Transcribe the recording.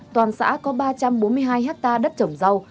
toàn xã có ba trăm bốn mươi hai hectare đất trồng rau